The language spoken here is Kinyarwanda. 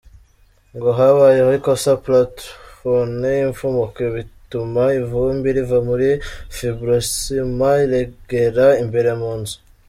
Ngo habayeho ikosa plafon ipfumuka bituma ivumbi riva muri fibrociment rigera imbere mu nzu.